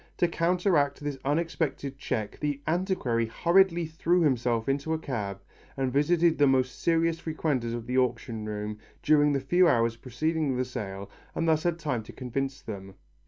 To counteract this unexpected check the antiquary hurriedly threw himself into a cab and visited the most serious frequenters of the auction room during the few hours preceding the sale and thus had time to convince them.